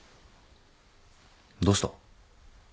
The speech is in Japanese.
どうした？